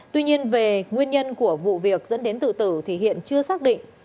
tuy nhiên về nguyên nhân của vụ việc dẫn đến tự tử thì hiện chưa xác định